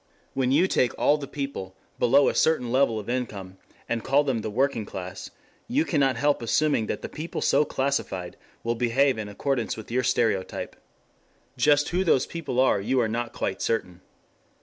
When you take all the people, below a certain level of income, and call them the working class, you cannot help assuming that the people so classified will behave in accordance with your stereotype. Just who those people are you are not quite certain.